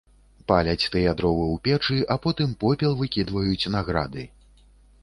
Паляць тыя дровы ў печы, а потым попел выкідваюць на грады.